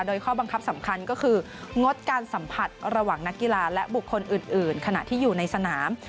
โดยข้อบังคับสำคัญก็คืองดการสัมผัสระหว่างนักกีฬาและบุคคลอื่นขณะที่อยู่ในสนาม